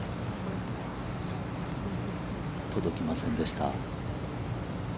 届きませんでした。